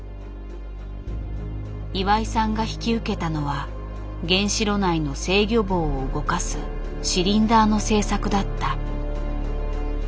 岩井さんが引き受けたのは原子炉内の制御棒を動かすシリンダーの製作だった。